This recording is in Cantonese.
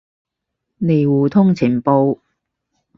嚟互通情報